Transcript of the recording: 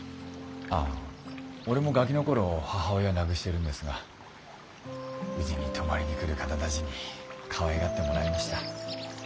ああ俺もガキの頃母親亡ぐしてるんですがうちに泊まりに来る方だぢにかわいがってもらいました。